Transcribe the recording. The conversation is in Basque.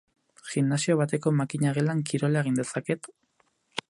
Gimnasio bateko makina-gelan kirola egin dezaket?